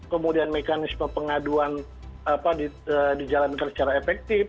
kemudian mekanisme pengaduan dijalankan secara efektif